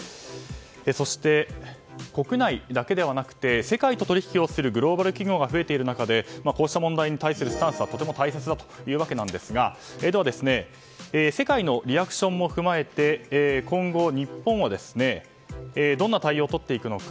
そして、国内だけではなくて世界と取引をするグローバル企業が増えている中でこうした問題に対応するスタンスはとても大切だというわけですが世界のリアクションも踏まえて今後、日本はどんな対応を取っていくのか。